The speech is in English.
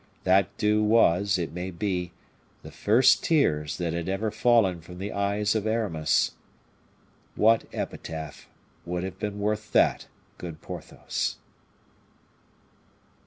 that dew was, it may be, the first tears that had ever fallen from the eyes of Aramis! What epitaph would have been worth that, good Porthos?